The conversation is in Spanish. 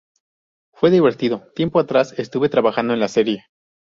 Fue divertido, tiempo atrás estuve trabajando en la serie.